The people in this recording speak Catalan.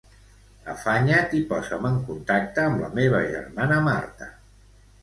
Afanya't i posa'm en contacte amb la meva germana Marta.